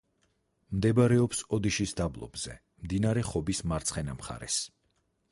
მდებარეობს ოდიშის დაბლობზე, მდინარე ხობის მარცხენა მხარეს.